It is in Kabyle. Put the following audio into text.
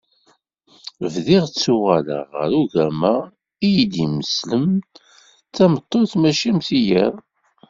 Bdiɣ ttuɣaleɣ ɣer ugama iyi-d-imeslen d tameṭṭut mačči am tiyaḍ.